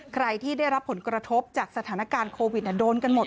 ใครที่ได้รับผลกระทบจากสถานการณ์โควิดโดนกันหมด